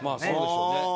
そうですよね